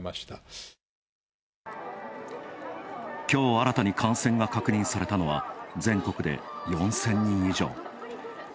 きょう、新たに感染が確認されたのは全国で４０００人以上。